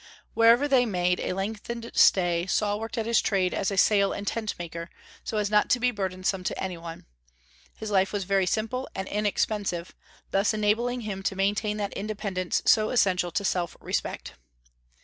Whenever they made a lengthened stay, Saul worked at his trade as a sail and tent maker, so as not to be burdensome to any one. His life was very simple and inexpensive, thus enabling him to maintain that independence so essential to self respect.